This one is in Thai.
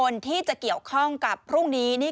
อยู่ไม่ได้ถึงสี่ปีขอนุญาตย้อนความดิดดี